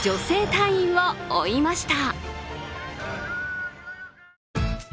隊員を追いました。